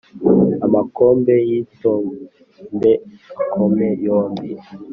amakombe yitotombe akome yombi